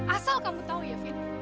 asal kamu tahu ya vin